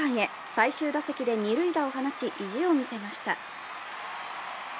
最終打席で２塁打を放ち意地を見せました。